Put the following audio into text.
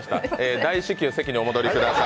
大至急、席にお戻りください。